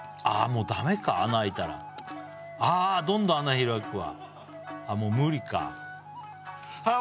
もうダメか穴あいたらああどんどん穴開くわあっもう無理かああ